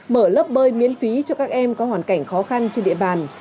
mở lớp bơi miễn phí cho các em có hoàn cảnh khó khăn trên địa bàn